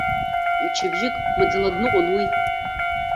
Мчыбжьык маӡала дныҟәон уи.